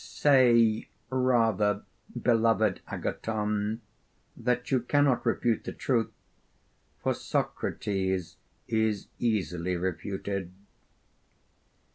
Say rather, beloved Agathon, that you cannot refute the truth; for Socrates is easily refuted.